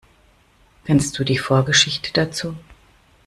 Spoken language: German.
Kennst du die Vorgeschichte dazu?